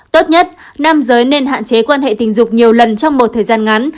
tốt nhất nam giới nên hạn chế quan hệ tình dục nhiều lần trong một thời gian ngắn